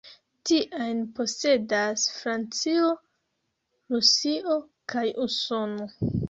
Tiajn posedas Francio, Rusio kaj Usono.